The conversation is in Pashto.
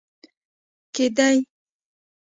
کې دی